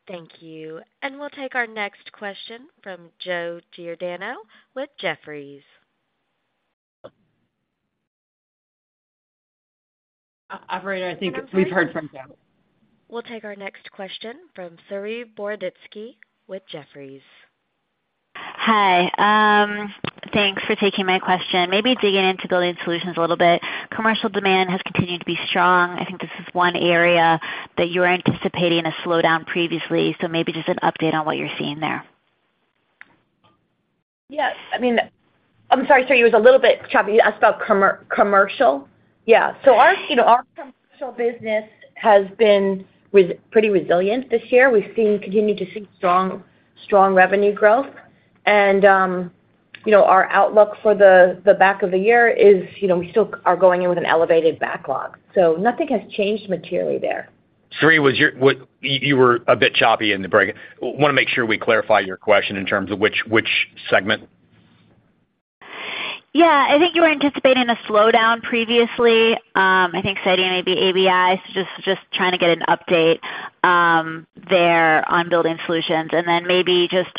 Thank you. We'll take our next question from Joseph Giordano with Jefferies. Operator, I think we've heard from Joe. We'll take our next question from Saree Boroditsky with Jefferies. Hi, thanks for taking my question. Maybe digging into building solutions a little bit. Commercial demand has continued to be strong. I think this is one area that you were anticipating a slowdown previously, so maybe just an update on what you're seeing there. Yeah, I mean, I'm sorry, Saree, it was a little bit choppy. You asked about commer- commercial? Yeah. our, you know, our commercial business has been res-- pretty resilient this year. We've seen, continued to see strong, strong revenue growth. you know, our outlook for the, the back of the year is, you know, we still are going in with an elevated backlog, so nothing has changed materially there. Saree, you, you were a bit choppy in the break. Wanna make sure we clarify your question in terms of which, which segment? Yeah, I think you were anticipating a slowdown previously, I think citing maybe ABI. Just, just trying to get an update, there on building solutions. Maybe just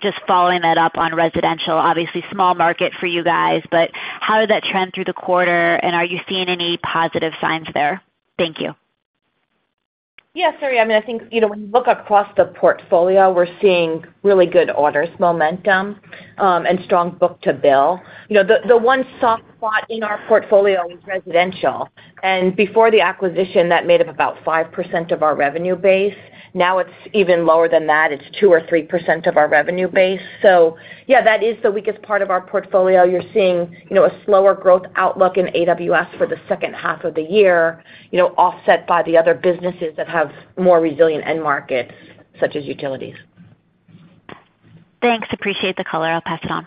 just following that up on residential, obviously small market for you guys, but how did that trend through the quarter, and are you seeing any positive signs there? Thank you. Yeah, Saree, I mean, I think, you know, when you look across the portfolio, we're seeing really good orders, momentum, and strong book-to-bill. You know, the one soft spot in our portfolio is residential, and before the acquisition, that made up about 5% of our revenue base. Now it's even lower than that. It's 2% or 3% of our revenue base. Yeah, that is the weakest part of our portfolio. You're seeing, you know, a slower growth outlook in AWS for the second half of the year, you know, offset by the other businesses that have more resilient end markets, such as utilities. Thanks. Appreciate the color. I'll pass it on.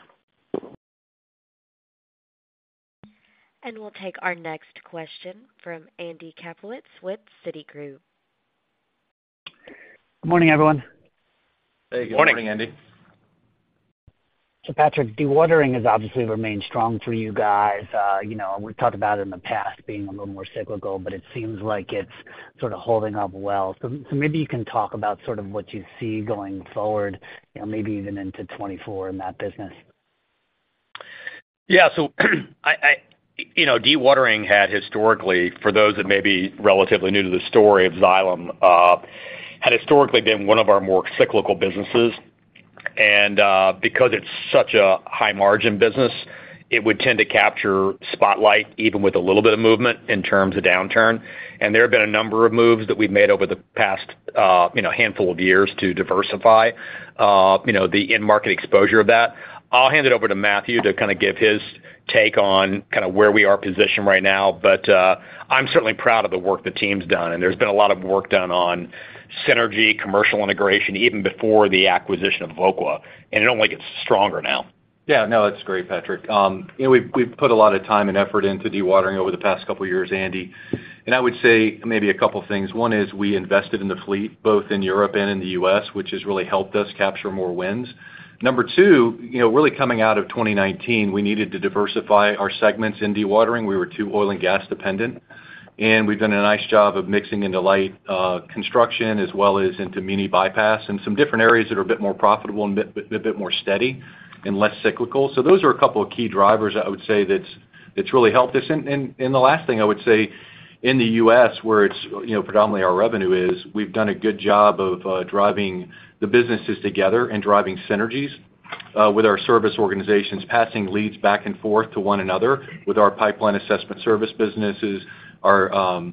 We'll take our next question from Andrew Kaplowitz with Citigroup. Good morning, everyone. Hey, good morning, Andy. Patrick, dewatering has obviously remained strong for you guys. You know, we've talked about it in the past being a little more cyclical, but it seems like it's sort of holding up well. Maybe you can talk about sort of what you see going forward, you know, maybe even into 2024 in that business? Yeah, you know, dewatering had historically, for those that may be relatively new to the story of Xylem, had historically been one of our more cyclical businesses. Because it's such a high-margin business, it would tend to capture spotlight, even with a little bit of movement in terms of downturn. There have been a number of moves that we've made over the past, you know, handful of years to diversify, you know, the end market exposure of that. I'll hand it over to Matthew to kind of give his take on kind of where we are positioned right now. I'm certainly proud of the work the team's done, and there's been a lot of work done on synergy, commercial integration, even before the acquisition of Evoqua, and I only get stronger now. Yeah, no, that's great, Patrick. You know, we've, we've put a lot of time and effort into dewatering over the past couple of years, Andy, and I would say maybe a couple of things. One is we invested in the fleet, both in Europe and in the U.S., which has really helped us capture more wins. Number two, you know, really coming out of 2019, we needed to diversify our segments in dewatering. We were too oil and gas dependent, and we've done a nice job of mixing into light construction as well as into mini bypass and some different areas that are a bit more profitable and a bit, a bit more steady and less cyclical. So those are a couple of key drivers I would say that's, that's really helped us. The last thing I would say, in the U.S., where it's, you know, predominantly our revenue is, we've done a good job of driving the businesses together and driving synergies with our service organizations, passing leads back and forth to one another with our pipeline assessment service businesses, our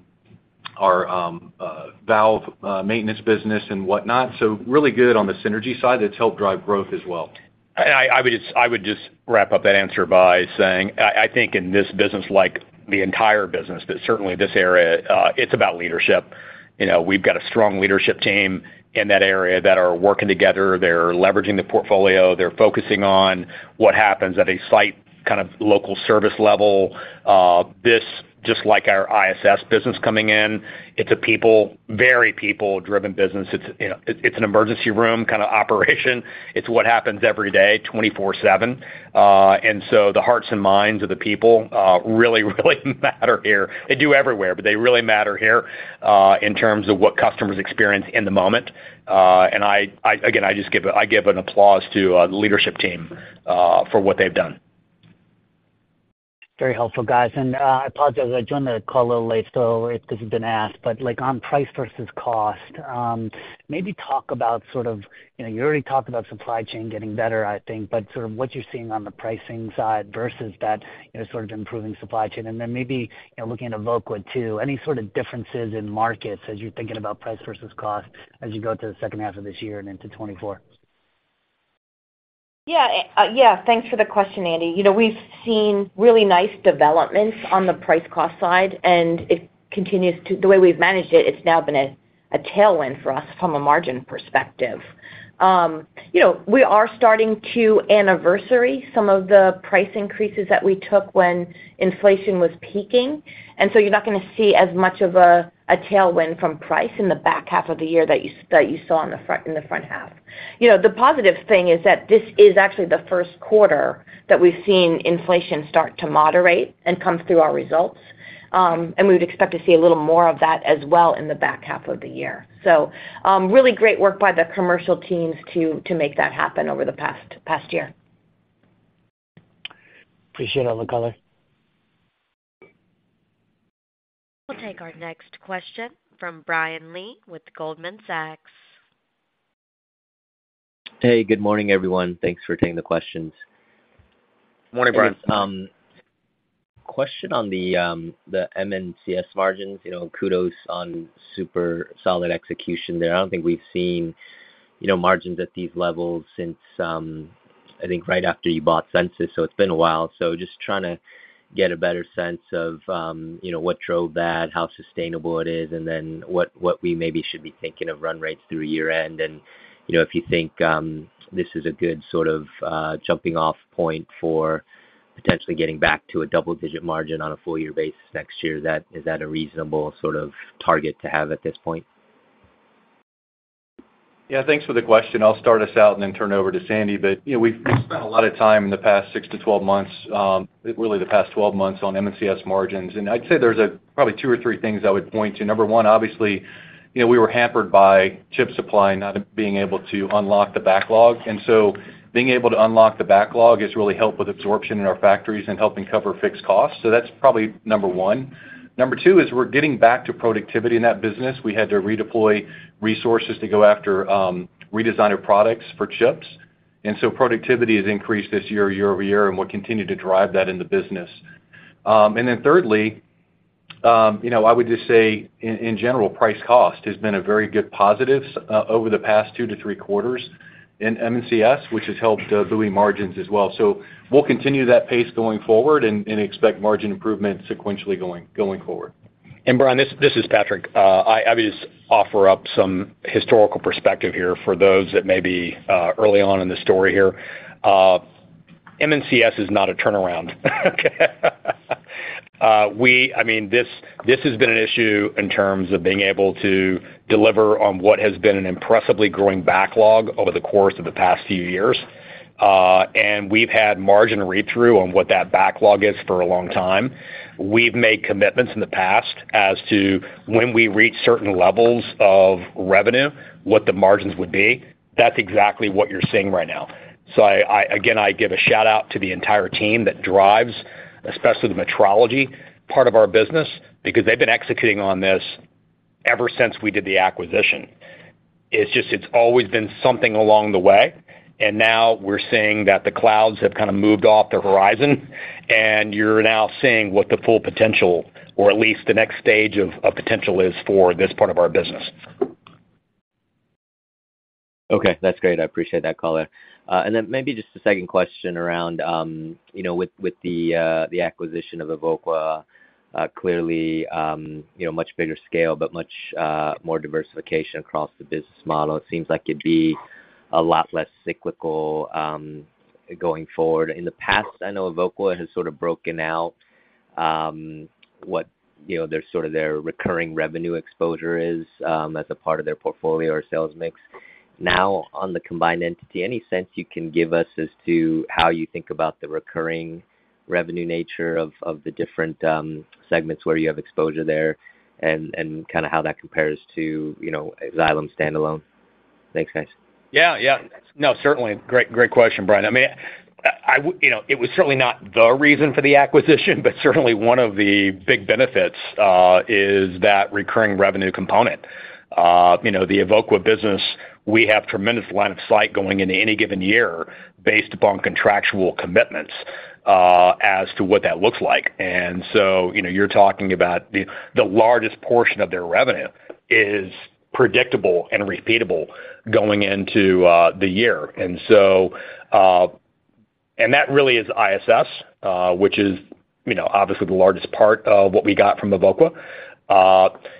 valve maintenance business and whatnot. Really good on the synergy side. That's helped drive growth as well. I, I would just, I would just wrap up that answer by saying, I, I think in this business, like the entire business, but certainly this area, it's about leadership. You know, we've got a strong leadership team in that area that are working together. They're leveraging the portfolio. They're focusing on what happens at a site, kind of local service level. This, just like our ISS business coming in, it's a people, very people-driven business. It's, you know, it's an emergency room kind of operation. It's what happens every day, 24/7. And so the hearts and minds of the people, really, really matter here. They do everywhere, but they really matter here, in terms of what customers experience in the moment. And I, I, again, I give an applause to the leadership team for what they've done. Very helpful, guys. I apologize. I joined the call a little late, so if this has been asked, but, like, on price versus cost, maybe talk about You know, you already talked about supply chain getting better, I think, but sort of what you're seeing on the pricing side versus that, you know, sort of improving supply chain. Then maybe, you know, looking into Evoqua, too, any sort of differences in markets as you're thinking about price versus cost, as you go to the second half of this year and into 2024? Thanks for the question, Andy. You know, we've seen really nice developments on the price cost side, and it continues to the way we've managed it, it's now been a tailwind for us from a margin perspective. You know, we are starting to anniversary some of the price increases that we took when inflation was peaking, and so you're not going to see as much of a tailwind from price in the back half of the year that you, that you saw in the front, in the front half. You know, the positive thing is that this is actually the first quarter that we've seen inflation start to moderate and come through our results. We would expect to see a little more of that as well in the back half of the year. Really great work by the commercial teams to, to make that happen over the past, past year. Appreciate all the color. We'll take our next question from Brian Lee with Goldman Sachs. Hey, good morning, everyone. Thanks for taking the questions. Good morning, Brian. Question on the MNCS margins. You know, kudos on super solid execution there. I don't think we've seen, you know, margins at these levels since, I think right after you bought Sensus, so it's been a while. Just trying to get a better sense of, you know, what drove that, how sustainable it is, and then what, what we maybe should be thinking of run rates through year end. You know, if you think, this is a good sort of, jumping off point for potentially getting back to a double-digit margin on a full year basis next year, that- is that a reasonable sort of target to have at this point? Yeah, thanks for the question. I'll start us out and then turn it over to Sandy. You know, we've spent a lot of time in the past 6 to 12 months, really the past 12 months on MNCS margins, and I'd say there's probably two or three things I would point to. Number one, obviously, you know, we were hampered by chip supply, not being able to unlock the backlog, and so being able to unlock the backlog has really helped with absorption in our factories and helping cover fixed costs. That's probably number one. Number two is we're getting back to productivity in that business. We had to redeploy resources to go after redesign of products for chips, and so productivity has increased this year, year-over-year, and we'll continue to drive that in the business. Then thirdly, you know, I would just say in general, price cost has been a very good positive over the past two to three quarters in MNCS, which has helped buoy margins as well. We'll continue that pace going forward and expect margin improvement sequentially going, going forward. Brian, this, this is Patrick. I, I just offer up some historical perspective here for those that may be early on in the story here. MNCS is not a turnaround, okay? We- I mean, this, this has been an issue in terms of being able to deliver on what has been an impressively growing backlog over the course of the past few years. We've had margin read through on what that backlog is for a long time. We've made commitments in the past as to when we reach certain levels of revenue, what the margins would be. That's exactly what you're seeing right now. I, I again, I give a shout out to the entire team that drives, especially the metrology part of our business, because they've been executing on this ever since we did the acquisition. It's just, it's always been something along the way, and now we're seeing that the clouds have kind of moved off the horizon, and you're now seeing what the full potential, or at least the next stage of, of potential is for this part of our business. Okay, that's great. I appreciate that color. Then maybe just a second question around, you know, with, with the acquisition of Evoqua, clearly, you know, much bigger scale, but much more diversification across the business model. It seems like it'd be a lot less cyclical going forward. In the past, I know Evoqua has sort of broken out, what, you know, their sort of their recurring revenue exposure is, as a part of their portfolio or sales mix. Now, on the combined entity, any sense you can give us as to how you think about the recurring revenue nature of, of the different segments where you have exposure there and, and kind of how that compares to, you know, Xylem standalone? Thanks, guys. Yeah, yeah. No, certainly. Great, great question, Brian. I mean, you know, it was certainly not the reason for the acquisition, but certainly one of the big benefits is that recurring revenue component. You know, the Evoqua business, we have tremendous line of sight going into any given year based upon contractual commitments as to what that looks like. You know, you're talking about the, the largest portion of their revenue is predictable and repeatable going into the year. That really is ISS, which is, you know, obviously the largest part of what we got from Evoqua.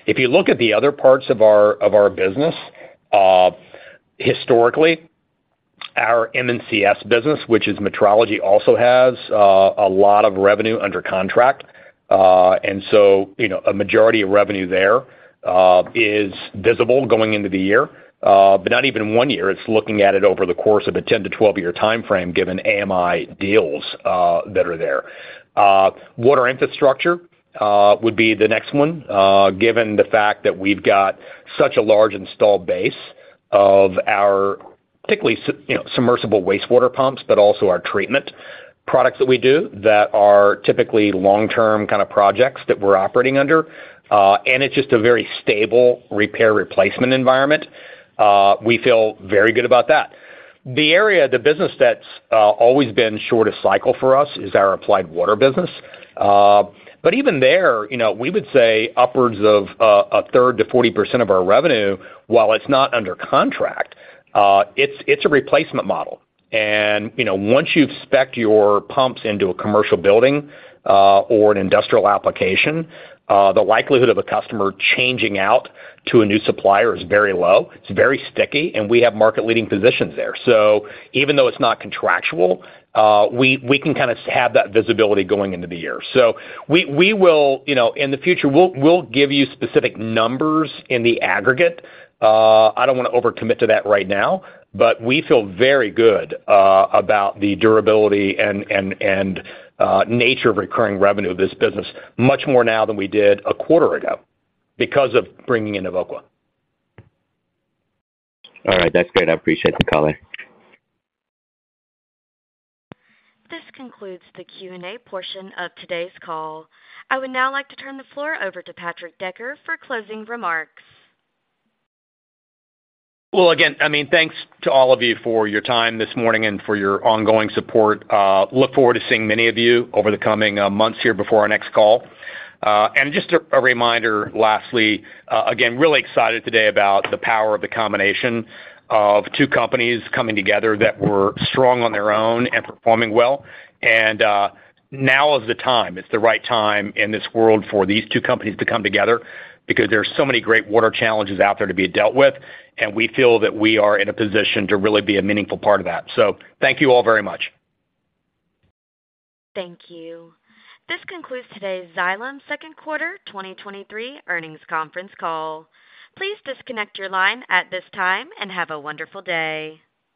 If you look at the other parts of our, of our business, historically, our MNCS business, which is metrology, also has a lot of revenue under contract. You know, a majority of revenue there is visible going into the year, but not even one year. It's looking at it over the course of a 10-12-year timeframe, given AMI deals that are there. Water Infrastructure would be the next one, given the fact that we've got such a large installed base of our particularly, you know, submersible wastewater pumps, but also our treatment products that we do that are typically long-term kind of projects that we're operating under. It's just a very stable repair replacement environment. We feel very good about that. The area, the business that's always been shorter cycle for us is our Applied Water business. Even there, you know, we would say upwards of one-third to 40% of our revenue, while it's not under contract, it's, it's a replacement model. You know, once you've spec'd your pumps into a commercial building, or an industrial application, the likelihood of a customer changing out to a new supplier is very low. It's very sticky, and we have market-leading positions there. Even though it's not contractual, we, we can kind of have that visibility going into the year. We, we will... You know, in the future, we'll, we'll give you specific numbers in the aggregate. I don't want to overcommit to that right now, but we feel very good about the durability and nature of recurring revenue of this business, much more now than we did a quarter ago, because of bringing in Evoqua. All right. That's great. I appreciate the call. This concludes the Q&A portion of today's call. I would now like to turn the floor over to Patrick Decker for closing remarks. Well, again, I mean, thanks to all of you for your time this morning and for your ongoing support. Look forward to seeing many of you over the coming months here before our next call. Just a, a reminder, lastly, again, really excited today about the power of the combination of two companies coming together that were strong on their own and performing well. Now is the time. It's the right time in this world for these two companies to come together, because there are so many great water challenges out there to be dealt with, and we feel that we are in a position to really be a meaningful part of that. Thank you all very much. Thank you. This concludes today's Xylem Second Quarter 2023 Earnings Conference Call. Please disconnect your line at this time and have a wonderful day.